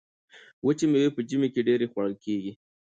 وچې میوې په ژمي کې ډیرې خوړل کیږي.